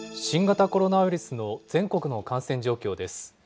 新型コロナウイルスの全国の感染状況です。